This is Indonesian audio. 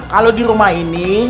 kalau di rumah ini